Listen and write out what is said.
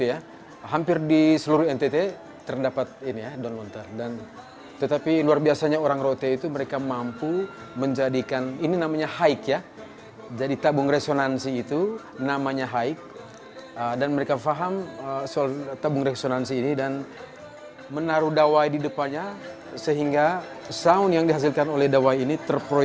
juga menjadi wujud untuk setia pada warisan leluhur